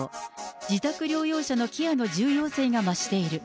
自宅療養者のケアの重要性が増している。